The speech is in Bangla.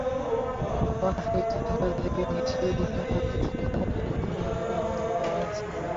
মানুষের মৃত্যুর ধরন দেখে, মিছিল দেখেই হয়তো সংখ্যাটাকে অনুমানভিত্তিকই করা হয়েছে।